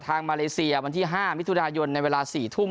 ทางมาเลเซียวันที่ห้ามิทุนายนต์ในเวลาสี่ทุ่ม